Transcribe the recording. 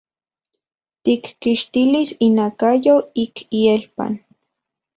Tikkixtilis inakayo ik ielpan.